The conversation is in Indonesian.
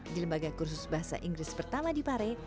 di lembaga kursus bahasa inggris pertama di pare